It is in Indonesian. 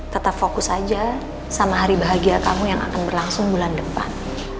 tetap fokus aja sama hari bahagia kamu yang akan berlangsung bulan depan